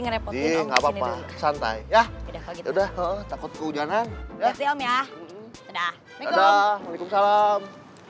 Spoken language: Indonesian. ngerepotin ngapa santai ya udah takut hujanan ya udah waalaikumsalam